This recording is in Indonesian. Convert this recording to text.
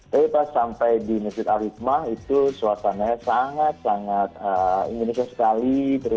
tapi pas sampai di masjid al hikmah itu suasananya sangat sangat indonesia sekali